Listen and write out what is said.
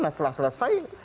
nah setelah selesai